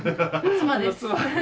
妻です。